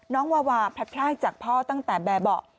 วาวาพลัดพลากจากพ่อตั้งแต่แบบเบาะ